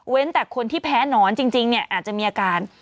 แต่คนที่แพ้นอนจริงเนี่ยอาจจะมีอาการ